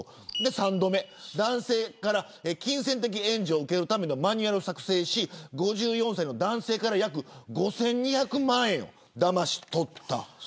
３度目は男性から金銭的援助を受けるためのマニュアルを作成し５４歳の男性から約５２００万円をだまし取った。